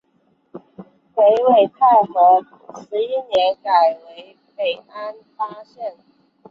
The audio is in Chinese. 北魏太和十一年改为北安邑县。